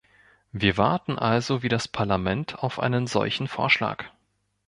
Wir warten also wie das Parlament auf einen solchen Vorschlag.